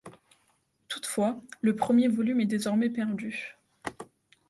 Toutefois, le premier volume est désormais perdu.